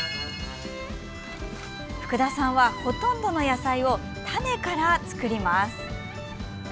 福田さんはほとんどの野菜を種から作ります。